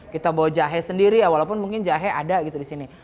kita bawa jahe sendiri walaupun mungkin jahe ada gitu di sini